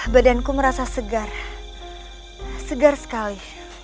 badanku merasa segar segar sekali